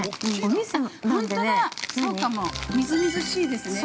◆みずみずしいですね。